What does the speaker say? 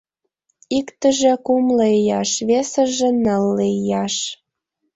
Иктыже кумло ияш, весыже нылле ияш...